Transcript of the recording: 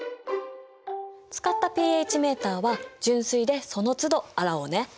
使ったｐＨメーターは純水でそのつど洗おうね。